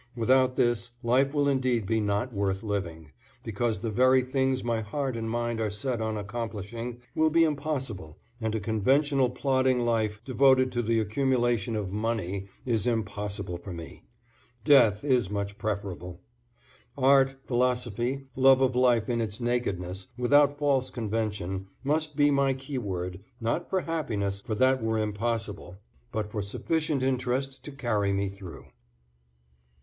Without this, life will indeed be not worth living, because the very things my heart and mind are set on accomplishing will be impossible, and a conventional, plodding life devoted to the accumulation of money is impossible for me. Death is much preferable. Art, philosophy, love of life in its nakedness, without false convention, must be my keyword, not for happiness, for that were impossible, but for sufficient interest to carry me through.